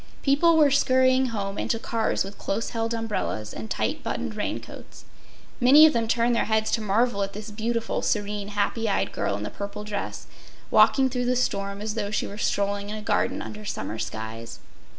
People were scurrying home and to cars with close held umbrellas and tight buttoned raincoats. Many of them turned their heads to marvel at this beautiful, serene, happy eyed girl in the purple dress walking through the storm as though she were strolling in a garden under summer skies.